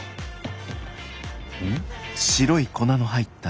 うん？